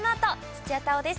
土屋太鳳です。